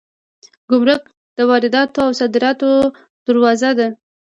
ګمرک د وارداتو او صادراتو دروازه ده